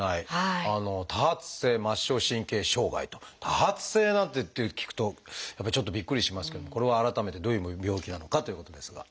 「多発性」なんていって聞くとやっぱりちょっとびっくりしますけどもこれは改めてどういう病気なのかっていうことですが。